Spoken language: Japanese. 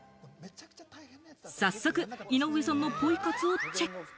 早速、井上さんのポイ活をチェック。